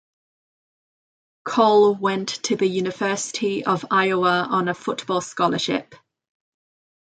Cole went to the University of Iowa on a football scholarship.